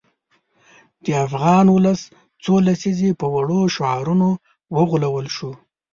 د افغان ولس څو لسیزې په وړو شعارونو وغولول شو.